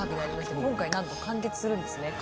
今回なんと完結するんですね。